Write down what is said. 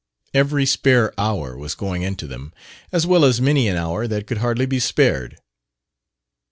Every spare hour was going into them, as well as many an hour that could hardly be spared.